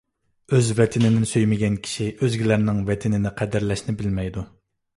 ئۆز ۋەتىنىنى سۆيمىگەن كىشى ئۆزگىلەرنىڭ ۋەتىنىنى قەدىرلەشنى بىلمەيدۇ.